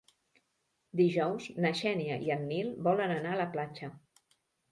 Dijous na Xènia i en Nil volen anar a la platja.